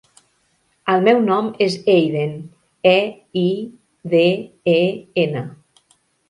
El meu nom és Eiden: e, i, de, e, ena.